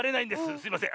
すいません。